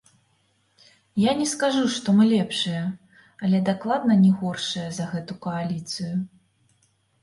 Я не скажу, што мы лепшыя, але дакладна не горшыя за гэтую кааліцыю.